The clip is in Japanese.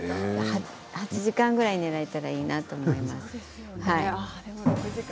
８時間ぐらい寝られたらいいなと思います。